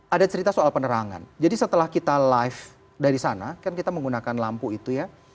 ada cerita soal penerangan jadi setelah kita live dari sana kan kita menggunakan lampu itu ya